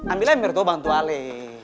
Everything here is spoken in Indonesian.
ambil ini biar kau bantu ale